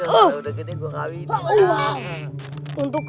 kalau udah gede gue ga pindah